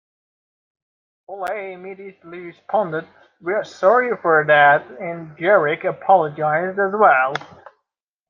Holley immediately responded 'We're sorry for that', and Jerrick apologized as well.